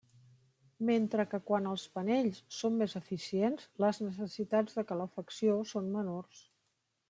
Mentre que quan els panells són més eficients, les necessitats de calefacció són menors.